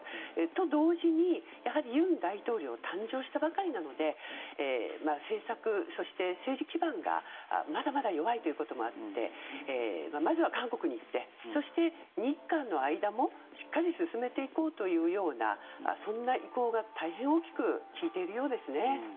と同時に、やはり尹大統領は誕生したばかりなので政策、そして政治基盤まだまだ弱いということもあってまずは韓国に行ってそして日韓の間もしっかり進めていこうというそんな意向が大変大きく効いているようですね。